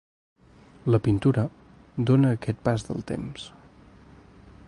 La pintura dóna aquest pas del temps.